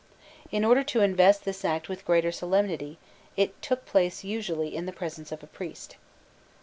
In order to invest this act with greater solemnity, it took place usually in the presence of a priest.